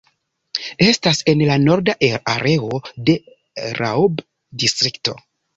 Estas en la norda areo de Raub-distrikto.